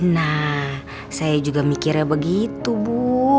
nah saya juga mikirnya begitu bu